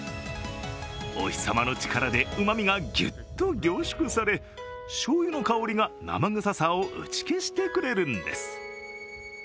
お日様の力で、うまみがぎゅっと凝縮され醤油の香りが生臭さを打ち消してくれるんです。